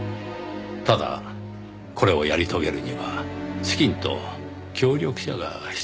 ただこれをやり遂げるには資金と協力者が必要ですねぇ。